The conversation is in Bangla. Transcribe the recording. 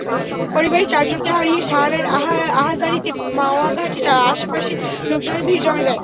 পরিবারের চারজনকে হারিয়ে শাহানার আহাজারীতে মাওয়া ঘাটের আশপাশে লোকজনের ভিড় জমে যায়।